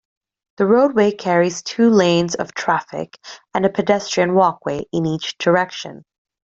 The roadway carries two lanes of traffic and a pedestrian walkway in each direction.